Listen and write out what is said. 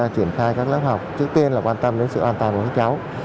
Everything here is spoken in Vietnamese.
triển khai các lớp học trước tiên là quan tâm đến sự an toàn của các cháu